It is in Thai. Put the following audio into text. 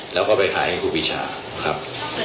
แล้วก็ไปขายให้ครูปีชานะครับ